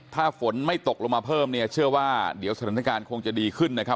ถ้าฝนไม่ตกลงมาเพิ่มเนี่ยเชื่อว่าเดี๋ยวสถานการณ์คงจะดีขึ้นนะครับ